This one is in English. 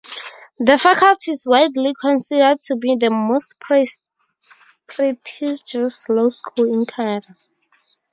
The Faculty is widely considered to be the most prestigious law school in Canada.